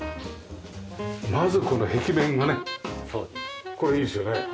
まずこの壁面がねこれいいですよね。